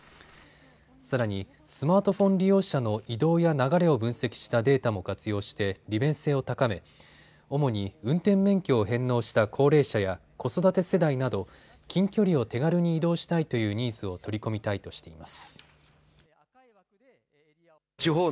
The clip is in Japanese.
さらにスマートフォン利用者の移動や流れを分析したデータも活用して利便性を高め主に運転免許を返納した高齢者や子育て世代など近距離を手軽に移動したいというニーズを取り込みたいとしています。